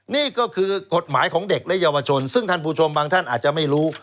นี่ก็คือกฎหมายของเด็กและเยาวชนซึ่งท่านผู้ชมบางท่านอาจจะไม่รู้